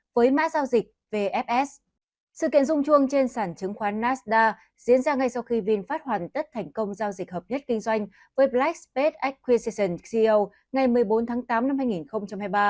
với mã giao dịch vfs sự kiện dung chuông trên sản chứng khoán nasdaq diễn ra ngay sau khi vinfast hoàn tất thành công giao dịch hợp nhất kinh doanh với black space acquisition ceo ngày một mươi bốn tháng tám năm hai nghìn hai mươi ba